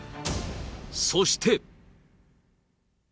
そして。